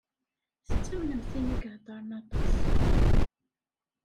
Tettamnemt tin i iheddṛen aṭas?